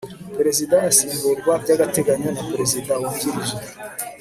pereezida asimburwa by'agateganyo na perezida wungirije